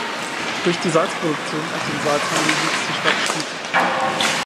Durch die Salzproduktion und den Salzhandel wuchs die Stadt stetig.